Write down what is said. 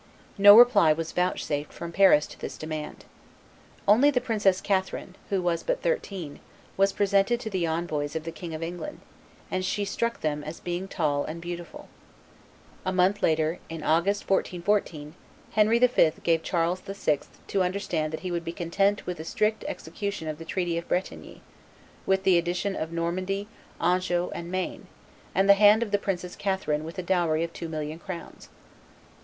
No reply was vouchsafed from Paris to this demand. Only the Princess Catherine, who was but thirteen, was presented to the envoys of the King of England, and she struck them as being tall and beautiful. A month later, in August, 1414, Henry V. gave Charles VI. to understand that he would be content with a strict execution of the treaty of Bretigny, with the addition of Normandy, Anjou, and Maine, and the hand of the Princess Catherine with a dowry of two million crowns.